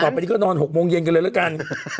ไปนี่ก็นอน๖โมงเย็นกันเลยละกัน